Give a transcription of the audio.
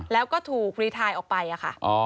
แล้วก็ถูกรีทายออกไปค่ะ